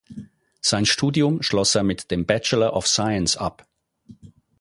Sein Studium schloss er mit dem Bachelor of Science ab.